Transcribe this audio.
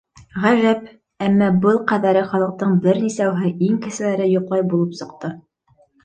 Ғәжәп, әммә был ҡәҙәре халыҡтың бер нисәүһе, иң кеселәре, йоҡлай булып сыҡты.